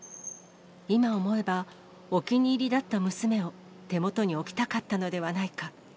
今思えば、お気に入りだった娘を手元に置きたかったのではないか。